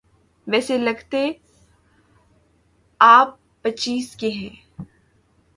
ویسے لگتے آپ پچیس کے ہیں۔